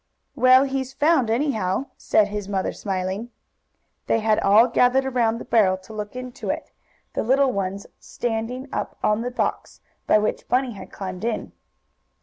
"Well, he's found, anyhow," said his mother, smiling. They had all gathered around the barrel to look into it, the littler ones standing up on the box, by which Bunny had climbed in.